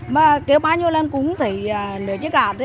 mà kêu bao nhiêu lần cũng thấy nửa chiếc cát